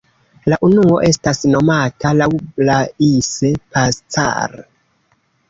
La unuo estas nomata laŭ Blaise Pascal.